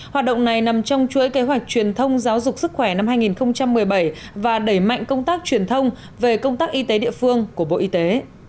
hoạt động này nằm trong chuỗi kế hoạch truyền thông giáo dục sức khỏe năm hai nghìn một mươi bảy và đẩy mạnh công tác truyền thông về công tác y tế địa phương của bộ y tế